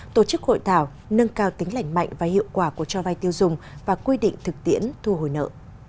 tổ chức hội thảo nâng cao tính lãnh mạnh và hiệu quả của cho vai tiêu dùng và quy định thực tiễn thu hồi nợ